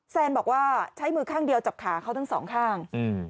แซนบอกว่าใช้มือข้างเดียวจับขาเขาทั้งสองข้างอืม